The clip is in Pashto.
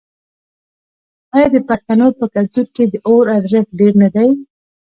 آیا د پښتنو په کلتور کې د اور ارزښت ډیر نه دی؟